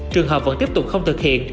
trường hợp vẫn tiếp tục không thực hiện